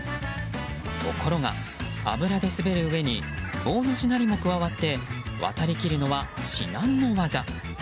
ところが、油で滑るうえに棒のしなりも加わって渡りきるのは至難の業。